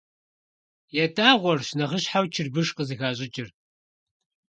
ЯтӀагъуэрщ нэхъыщхьэу чырбыш къызыхащӀыкӀыр.